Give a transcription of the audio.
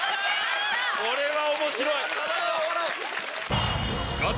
・これは面白い！